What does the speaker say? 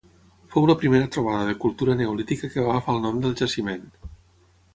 Fou la primera trobada de cultura neolítica que va agafar el nom del jaciment.